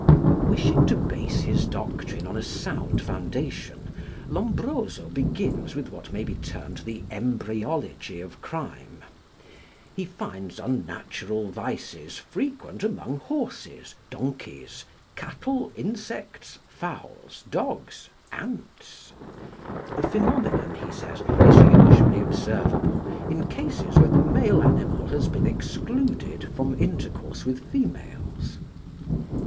Wishing to base his doctrine on a sound foundation, Lombroso begins with what may be termed the embryology of crime. He finds unnatural vices frequent among horses, donkeys, cattle, insects, fowls, dogs, ants. The phenomenon, he says, is usually observable in cases where the male animal has been excluded from intercourse with females.